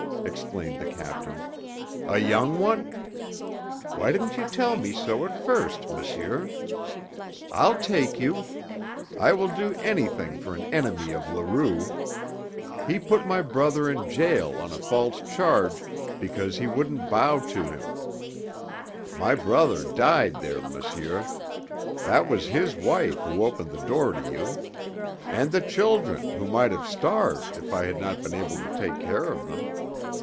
exclaimed the captain. "A young one? Why didn't you tell me so at first, monsieur? I'll take you. I will do anything for an enemy of Leroux. He put my brother in jail on a false charge because he wouldn't bow to him my brother died there, monsieur that was his wife who opened the door to you. And the children, who might have starved, if I had not been able to take care of them!